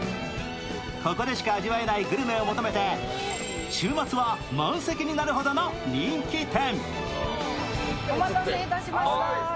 ここでしか味わえないグルメを求めて週末は満席になるほどの人気店。